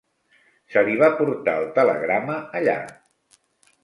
Se li va portar el telegrama allà.